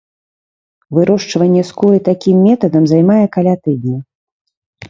Вырошчванне скуры такім метадам займае каля тыдня.